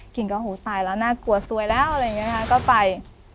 กินก็หูตายแล้วน่ากลัวสวยแล้วอะไรอย่างนี้ค่ะก็ไป